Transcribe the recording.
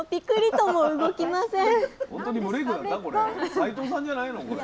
斎藤さんじゃないのこれ。